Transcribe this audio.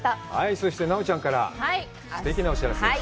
そして奈緒ちゃんからすてきなお知らせです。